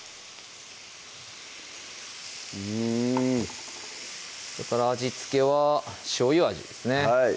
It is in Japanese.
うんそれから味付けはしょうゆ味ですね